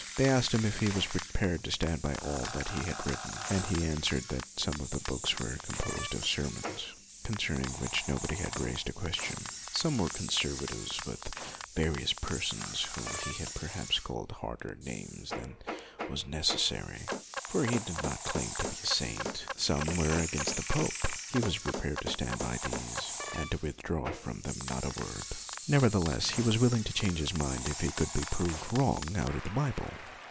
They asked him if he was prepared to stand by all that he had written, and he answered that some of the books were composed of sermons, concerning which nobody had raised a question: some were controversies with various persons, whom he had, perhaps, called harder names than was necessary, for he did not claim to be a saint; some were against the pope; he was prepared to stand by these, and to withdraw from them not a word. Never theless, he was willing to change his mind, if he could be proved wrong out of the Bible.